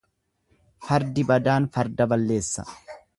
Fardi badaan farda balleessa.